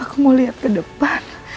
aku mau lihat ke depan